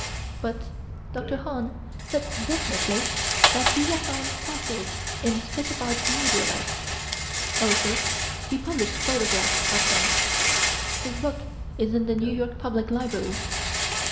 But Dr. Hahn said definitely that he had found fossils in specified meteorites: also he published photographs of them. His book is in the New York Public Library.